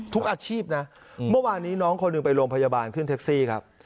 อาชีพนะเมื่อวานนี้น้องคนหนึ่งไปโรงพยาบาลขึ้นแท็กซี่ครับ